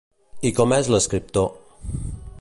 I com és l'escriptor?